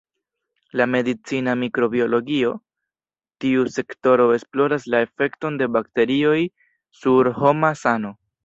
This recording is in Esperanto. La medicina mikrobiologio: Tiu sektoro esploras la efekton de bakterioj sur homa sano.